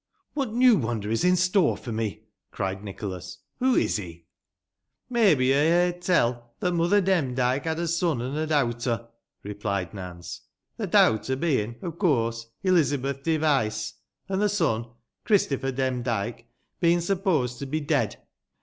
" What new wonder is in störe for me ?" cried Nicholas. " Who is he ?"" Maybe yo ha' heerd teil that Mother Demdike had a son and a dowter," replied Nance ;" the dowter bein', of course, Eliza beth Device ; and the son, Christopher Demdike, being supposed to be dead.